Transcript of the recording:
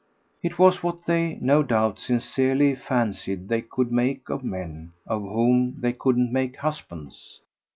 It was what they, no doubt, sincerely fancied they could make of men of whom they couldn't make husbands.